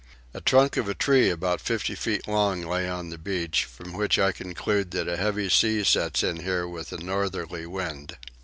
A trunk of a tree about 50 feet long lay on the beach, from which I conclude that a heavy sea sets in here with a northerly wind.